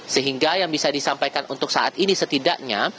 sehingga yang bisa disampaikan untuk saat ini setidaknya